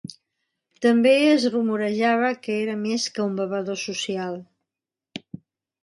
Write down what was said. També es rumorejava que era més que un bevedor social.